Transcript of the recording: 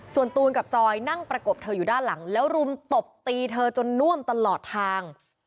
ส่วนตูนกับจอยนั่งประกบเธออยู่ด้านหลังแล้วรุมตบตีเธอจนน่วมตลอดทาง